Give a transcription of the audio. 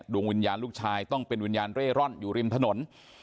ดวงวิญญาณลูกชายต้องเป็นวิญญาณเร่ร่อนอยู่ริมถนน